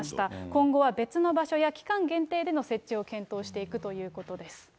今後は別の場所や期間限定での設置を検討していくということです。